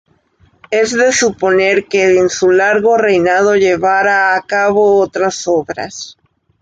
Es de suponer que en su largo reinado llevara a cabo otras obras.